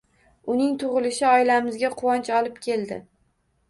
Uning tug`ilishi oilamizga quvonch olib keldi